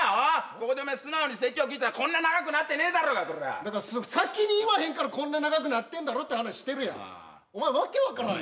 ここで素直に説教聞いたらこんな長くなってねえだろうがコラッだから先に言わへんからこんな長くなってんだろって話してるやんお前訳分からん